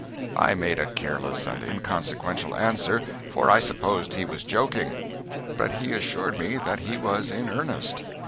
I made a careless and inconsequential answer, for I supposed he was joking. But he assured me that he was in earnest.